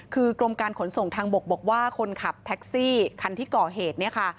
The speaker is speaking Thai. คือกรมการขนส่งทางบกบอกว่าคนขับแท็กซี่คันที่ก่อเหตุเนี่ยค่ะ